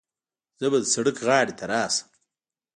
زه به د سړک غاړې ته راسم.